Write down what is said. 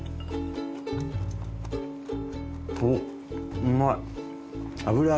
おっうまい！